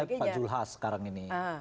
pak zulhas sekarang ini